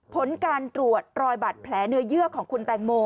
ผลการตรวจรอยบัตรแผลเนื้อเยื่อของคุณแตงโม